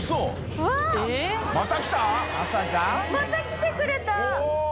泙気また来てくれた！